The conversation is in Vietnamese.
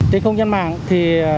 tết không nhân mạng thì